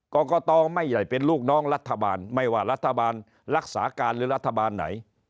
กรกตไม่ได้เป็นลูกน้องรัฐบาลไม่ว่ารัฐบาลรักษาการหรือรัฐบาลไหน